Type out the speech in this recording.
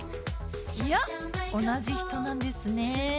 いや同じ人なんですね。